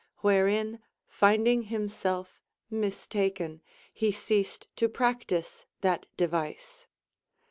wherein, finding himself mistaken, he ceased to practise that device.